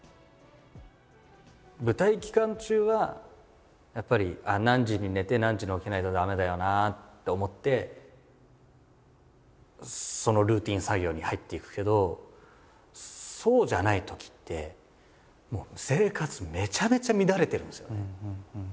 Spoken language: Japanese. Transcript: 舞台期間中はやっぱり何時に寝て何時に起きないと駄目だよなと思ってそのルーティン作業に入っていくけどそうじゃないときって生活めちゃめちゃ乱れてるんですよ。